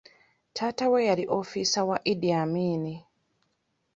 Taata we yali ofiisa wa Idi Amin.